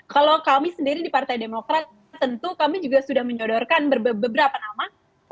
kalau kami sendiri di partai demokrat tentu kami juga sudah menyodorkan beberapa nama